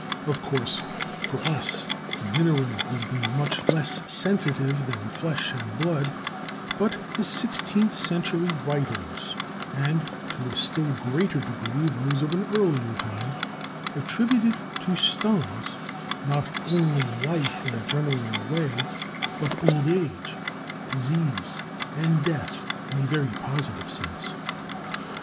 Of course, for us the mineral would be much less sensitive than flesh and blood, but the sixteenth century writers, and to a still greater degree those of an earlier time, attributed to stones not only life in a general way, but old age, disease, and death, in a very positive sense.